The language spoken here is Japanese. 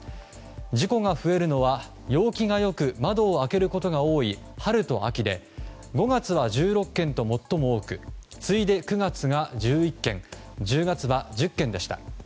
事故が増えるのは、陽気が良く窓を開けることが多い春と秋で５月は１６件と最も多く次いで９月が１１件１０月は１０件でした。